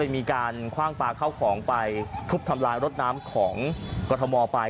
มีการคว่างปลาเข้าของไปทุบทำลายรถน้ำของกรทมไป